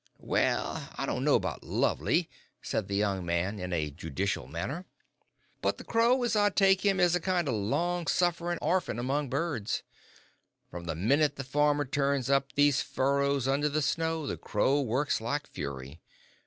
"Well, I don' know about lovely," said the young man, in a judicial manner, "but the crow, as I take him, is a kind of long suffering orphan among birds. From the minute the farmers turn up these furrows under the snow, the crow works like fury.